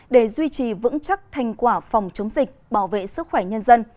để duy trì vững chắc thành quả phòng chống dịch bảo vệ sức khỏe nhân dân